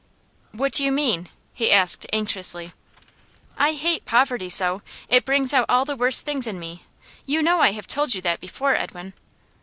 'What do you mean?' he asked anxiously. 'I hate poverty so. It brings out all the worst things in me; you know I have told you that before, Edwin?